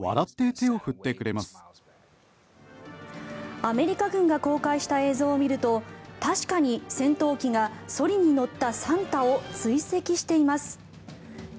アメリカ軍が公開した映像を見ると確かに戦闘機がそりに乗ったサンタを追跡しています。